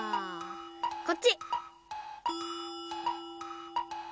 こっち！